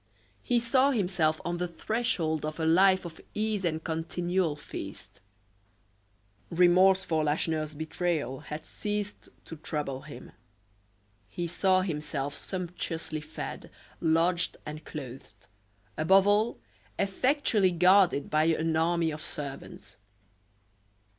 He saw himself on the threshold of a life of ease and continual feasting. Remorse for Lacheneur's betrayal had ceased to trouble him. He saw himself sumptuously fed, lodged and clothed; above all, effectually guarded by an army of servants.